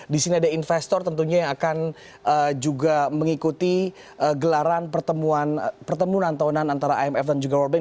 di sini ada investor tentunya yang akan juga mengikuti gelaran pertemuan tahunan antara imf dan juga world bank